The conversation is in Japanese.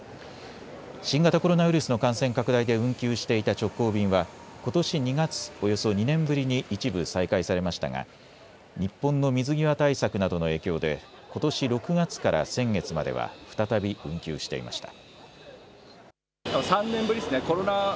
新型コロナウイルスの感染拡大で運休していた直行便はことし２月、およそ２年ぶりに一部、再開されましたが日本の水際対策などの影響でことし６月から先月までは再び運休していました。